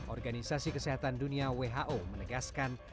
organisasi kesehatan dunia who menegaskan